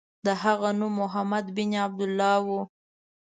د هغه نوم محمد بن عبدالله و.